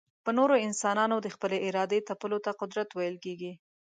پر نورو انسانانو د خپلي ارادې تپلو ته قدرت ويل کېږي.